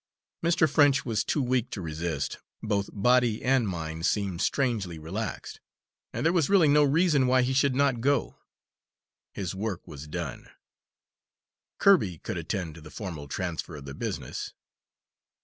Mr. French was too weak to resist both body and mind seemed strangely relaxed and there was really no reason why he should not go. His work was done. Kirby could attend to the formal transfer of the business.